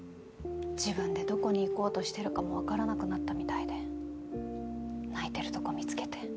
自分でどこに行こうとしてるかもわからなくなったみたいで泣いてるとこ見つけて。